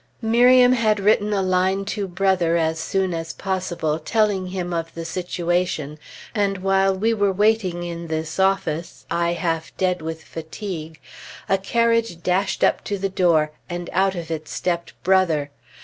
Miriam had written a line to Brother as soon as possible, telling him of the situation, and while we were waiting in this office, I half dead with fatigue, a carriage dashed up to the door, and out of it stepped Brother.